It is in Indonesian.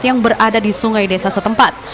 yang berada di sungai desa setempat